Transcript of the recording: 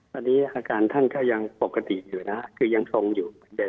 ตอนนี้อาการท่านก็ยังปกติอยู่นะฮะคือยังทรงอยู่เหมือนเดิม